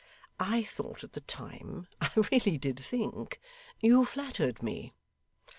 I thought at the time; I really did think; you flattered me.